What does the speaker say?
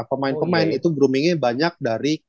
pemain pemain itu groomingnya banyak dari